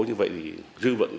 những mối quan hệ